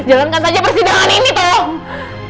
jalankan saja persidangan ini tolong